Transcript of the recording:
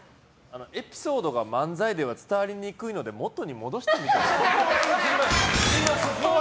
エピソードが漫才で伝わりにくいので元に戻してみては？